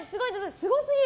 すごすぎる。